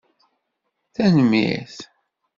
Tanemmirt!